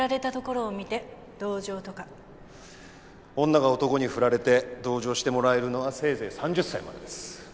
女が男に振られて同情してもらえるのはせいぜい３０歳までです。